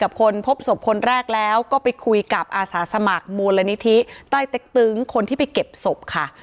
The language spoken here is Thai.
คนพบศพคนแรกแล้วก็ไปคุยกับอาสาสมัครมูลนิธิใต้เต็กตึงคนที่ไปเก็บศพค่ะ